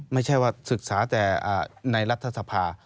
ไม่ใช่ว่าศึกษาแต่ในรัฐสภา